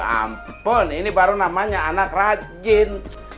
ampun ini baru namanya anak rajin